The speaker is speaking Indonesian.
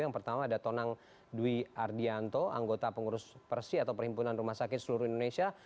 yang pertama ada tonang dwi ardianto anggota pengurus persi atau perhimpunan rumah sakit seluruh indonesia